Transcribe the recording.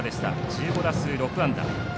１５打数６安打。